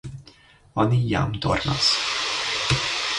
Oni jam dormas.